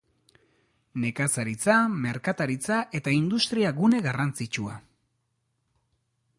Nekazaritza-, merkataritza- eta industria-gune garrantzitsua.